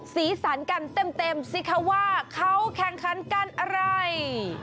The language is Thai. สีสันกันเต็มสิคะว่าเขาแข่งขันกันอะไร